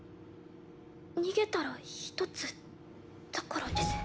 逃げたら１つだからです。